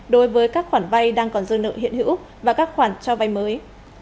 đối với các khoản vay đang còn dư nợ hiện hữu và các khoản cho vay mới